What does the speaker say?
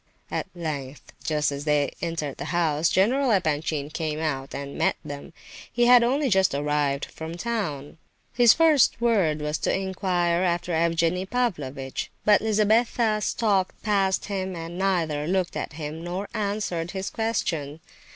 At length, just as they neared the house, General Epanchin came out and met them; he had only just arrived from town. His first word was to inquire after Evgenie Pavlovitch. But Lizabetha stalked past him, and neither looked at him nor answered his question.